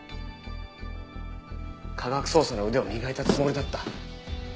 科学捜査の腕を磨いたつもりだった。